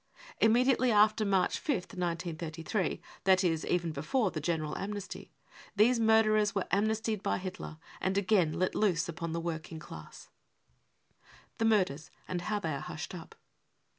Immediately after March 5th, 1933, that is, even before the " general amnesty, 55 these murderers were amnestied by Hitler and again let loose upon the working class. The Murders and how they are Hushed up.